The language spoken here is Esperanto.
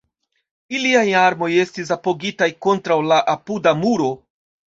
Iliaj armoj estis apogitaj kontraŭ la apuda muro.